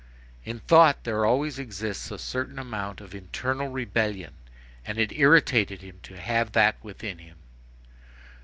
In thought there always exists a certain amount of internal rebellion; and it irritated him to have that within him.